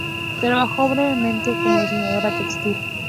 Trabajó brevemente como diseñadora textil.